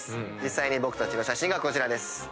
実際に僕たちの写真がこちら。